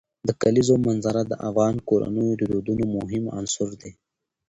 د کلیزو منظره د افغان کورنیو د دودونو مهم عنصر دی.